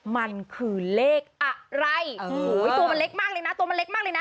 มันคือเลขอะไรโอ้โหตัวมันเล็กมากเลยนะตัวมันเล็กมากเลยนะ